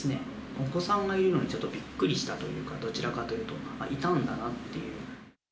お子さんがいるのにちょっとびっくりしたというか、どちらかというと、あっ、いたんだなっていう。